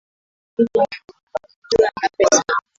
Kila siku ni nzuri ukiwa na pesa